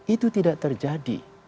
itu tidak terjadi